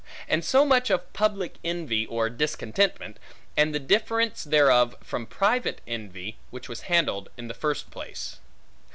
And so much of public envy or discontentment, and the difference thereof from private envy, which was handled in the first place.